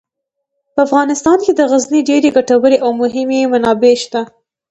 په افغانستان کې د غزني ډیرې ګټورې او مهمې منابع شته.